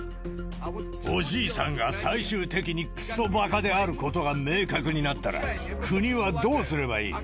おじいさんが最終的にくそばかであることが明確になったら、国はどうすればいい？